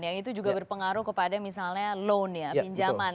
yang itu juga berpengaruh kepada misalnya loan ya pinjaman